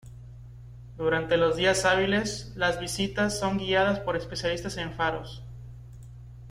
Durante los días hábiles, las visitas son guiadas por especialistas en Faros.